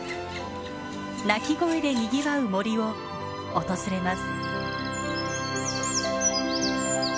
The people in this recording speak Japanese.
鳴き声でにぎわう森を訪れます。